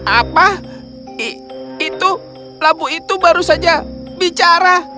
apa itu labu itu baru saja bicara